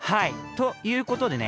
ということでね